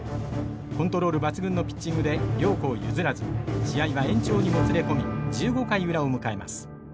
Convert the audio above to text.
コントロール抜群のピッチングで両校譲らず試合は延長にもつれ込み１５回裏を迎えます。